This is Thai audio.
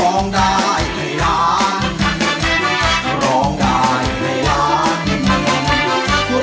ขอบคุณมากครับขอบคุณครับ